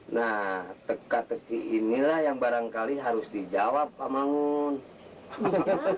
nah teka teki inilah yang barangkali harus dijawab pak mangun